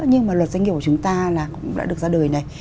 nhưng mà luật doanh nghiệp của chúng ta là cũng đã được ra đời này